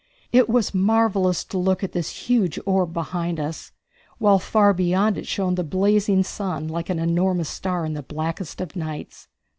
It was marvellous to look at this huge orb behind us, while far beyond it shone the blazing sun like an enormous star in the blackest of nights.